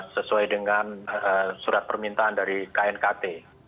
sesuai dengan surat permintaan dari knkt